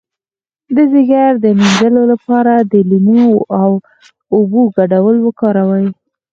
د ځیګر د مینځلو لپاره د لیمو او اوبو ګډول وکاروئ